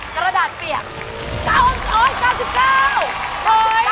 กระดาษเปียก๙๙